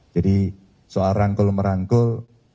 jadi soal rangkul merangkul